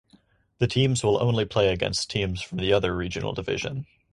The teams will only play against teams from the other regional division.